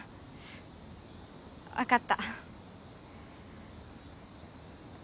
分かった。